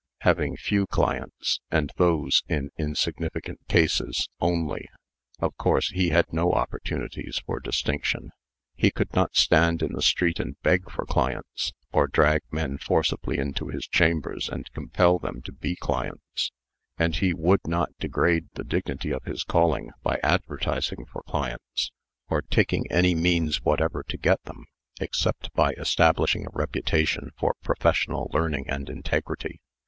Having few clients, and those in insignificant cases only, of course he had no opportunities for distinction. He could not stand in the street and beg for clients, or drag men forcibly into his chambers and compel them to be clients; and he would not degrade the dignity of his calling by advertising for clients, or taking any means whatever to get them, except by establishing a reputation for professional learning and integrity.